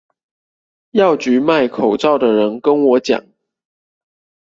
藥局賣口罩的人跟我講